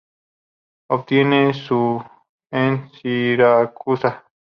Obtiene su en Siracusa.